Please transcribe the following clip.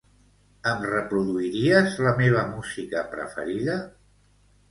Em reproduiries la meva música preferida?